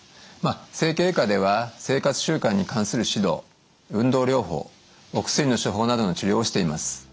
整形外科では生活習慣に関する指導運動療法お薬の処方などの治療をしています。